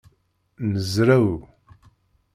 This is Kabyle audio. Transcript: Nezrew.